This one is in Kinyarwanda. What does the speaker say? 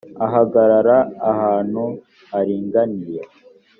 ahagarara ahantu haringaniye